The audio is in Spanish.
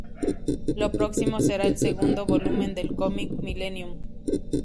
Lo próximo será el segundo volumen del cómic "Millennium".